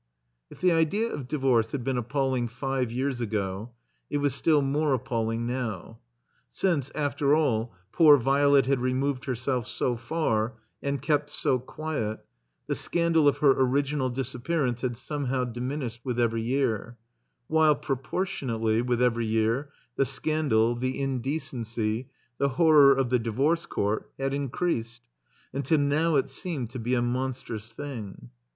If the idea of divorce had been appalling five years ago, it was still more appalling now. Since, after all, poor Violet had removed herself so far and kept so quiet, the scandal of her original disappearance had somehow diminished with every year, while, proportionately, with every year, the scandal, the indecency, the horror of the Divorce Court had in creased, tmtil now it seemed to be a monstrous thing.